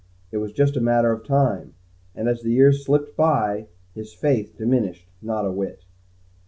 It was just a matter of time, and as the years slipped by, his faith diminished not a whit.